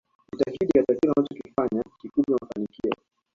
Jitahidi katika kila unachokifanya kikupe mafanikio